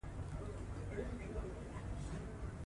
پولې اوس مانا نه لري.